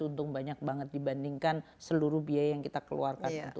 untung banyak banget dibandingkan seluruh biaya yang kita keluarkan